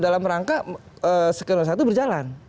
dalam rangka skenario satu berjalan